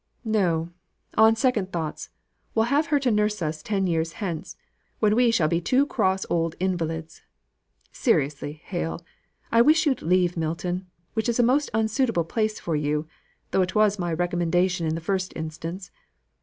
"No; on second thoughts, we'll have her to nurse us ten years hence, when we shall be two cross old invalids. Seriously, Hale! I wish you'd leave Milton; which is a most unsuitable place for you, though it was my recommendation in the first instance.